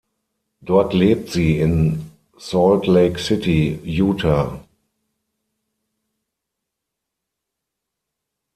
Dort lebt sie in Salt Lake City, Utah.